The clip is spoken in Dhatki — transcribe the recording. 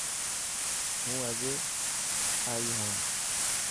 هون اڄ ائي هان.